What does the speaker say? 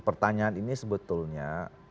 pertanyaan ini sebetulnya